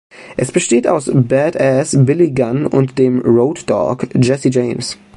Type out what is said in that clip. Es besteht aus „Bad Ass“ Billy Gunn und dem „Road Dogg“ Jesse James.